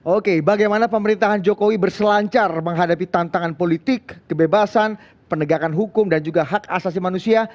oke bagaimana pemerintahan jokowi berselancar menghadapi tantangan politik kebebasan penegakan hukum dan juga hak asasi manusia